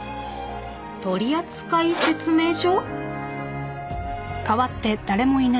取扱説明書？